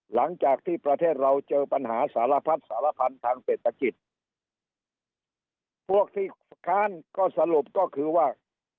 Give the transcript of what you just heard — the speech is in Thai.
หลังจากที่ประเทศเราเจอปัญหาสารพัดสารพันธุ์ทางเศรษฐกิจพวกที่ค้านก็สรุปก็คือว่า